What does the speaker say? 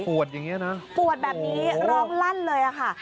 ปวดแบบนี้ร้องรั่นเลยค่ะ